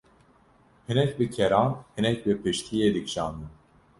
hinek bi keran, hinek bi piştiyê dikşandin.